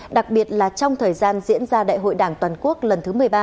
đặc biệt là trong thời gian diễn ra đại hội đảng toàn quốc lần thứ một mươi ba